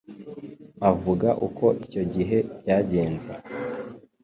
Avuga uko icyo gihe byagenze